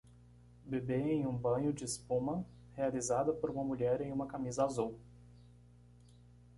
Bebê em um banho de espuma, realizada por uma mulher em uma camisa azul